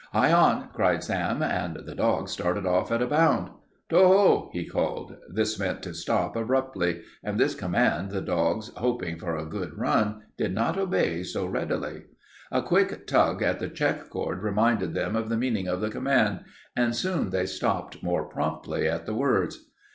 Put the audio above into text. "Hie on!" cried Sam, and the dogs started off at a bound. "To ho!" he called. This meant to stop abruptly, and this command the dogs, hoping for a good run, did not obey so readily. A quick tug at the check cord reminded them of the meaning of the command, and soon they stopped more promptly at the words.